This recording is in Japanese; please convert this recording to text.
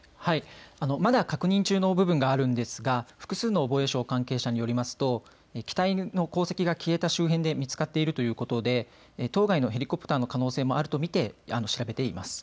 まだ確認中の部分があるんですが複数の防衛省関係者によりますと機体の航跡が消えた周辺で見つかってるということで当該のヘリコプターの可能性もあると見て調べています。